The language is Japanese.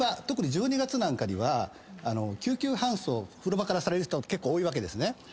特に１２月なんかには救急搬送風呂場からされる人結構多いわけですね。